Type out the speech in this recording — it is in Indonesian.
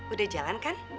udah jalan kan